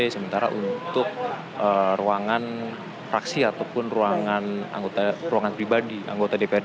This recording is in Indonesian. sementara untuk ruangan fraksi ataupun ruangan pribadi anggota dprd